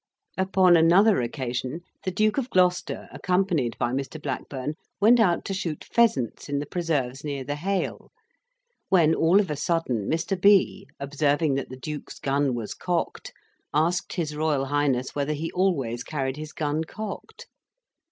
Upon another occasion the Duke of Gloucester, accompanied by Mr. Blackburn, went out to shoot pheasants in the preserves near the Hale; when all of a sudden, Mr. B. observing that the Duke's gun was cocked, asked his Royal Highness whether he always carried his gun cocked.